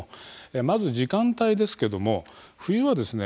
まず時間帯ですけども冬はですね